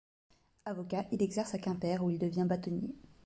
Avocat, il exerce à Quimper où il devient bâtonnier.